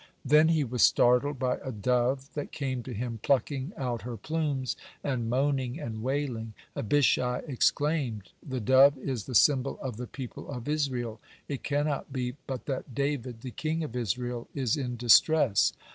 Then he was startled by a dove that came to him plucking out her plumes, and moaning and wailing. Abishai exclaimed: "The dove is the symbol of the people of Israel. It cannot be but that David, the king of Israel, is in distress."